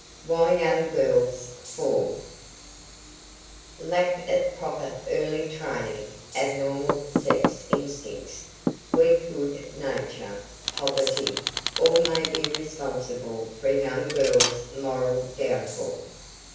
WHY YOUNG GIRLS FALL Lack of proper early training, abnormal sex instincts, weak good nature, poverty, all may be responsible for a young girl's moral downfall.